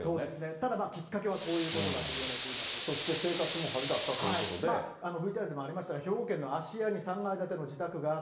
ただきっかけはそして生活も派手だったといＶＴＲでもありましたが、兵庫県の芦屋に３階建ての自宅があって。